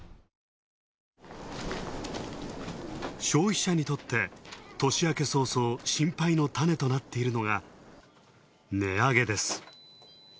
消費者にとって年明け早々心配のタネとなっているのが、値上げです。